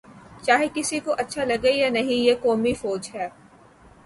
چاہے کسی کو اچھا لگے یا نہیں، یہ قومی فوج ہے۔